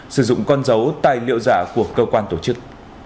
sử dụng con dấu tài liệu giả của cơ quan tổ chức